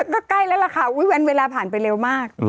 ก็ใกล้แล้วล่ะค่ะเวลาผ่านไปเร็วมาก